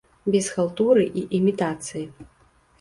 Без халтуры і імітацыі.